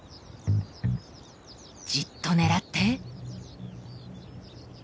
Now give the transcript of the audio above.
じっと狙って。